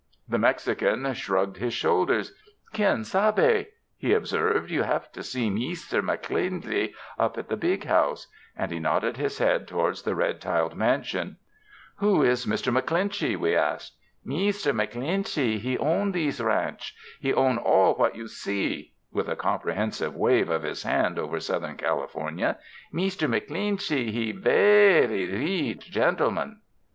The Mexican shrugged his shoulders. "Quien sabe," he observed, ''you have to see Meester MacC'leenchy up at the big house," and he nodded his head towards the red tiled mansion. ''Who is Mr. MacClinchyl" we asked. "Meester MacCleenchy, he own these ranch — he own all what you see," — with a comprehensive wave of his hand over Southern California — "Meester MacCleenchy — he ver r ry reech gentleman."